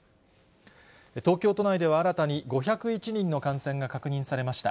東京都内では新たに５０１人の感染が確認されました。